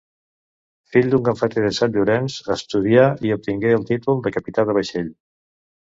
Fill d'un cafeter de Sant Llorenç, estudià i obtingué el títol de capità de vaixell.